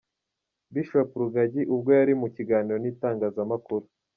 Bishop Rugagi ubwo yari mu kiganiro n’itangazamakuru.